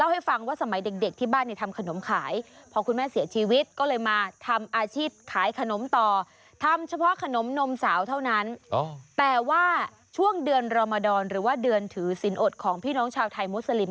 หรือว่าเดือนถือสินอดของพี่น้องชาวไทยมุสลิม